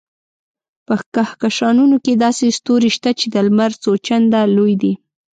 په کهکشانونو کې داسې ستوري شته چې د لمر څو چنده لوی دي.